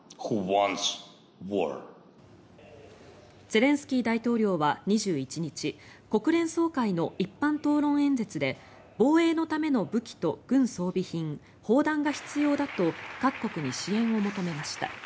ゼレンスキー大統領は２１日国連総会の一般討論演説で防衛のための武器と軍装備品砲弾が必要だと各国に支援を求めました。